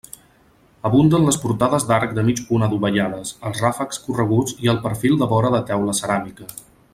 Abunden les portades d'arc de mig punt adovellades, els ràfecs correguts i el perfil de vora de teula ceràmica.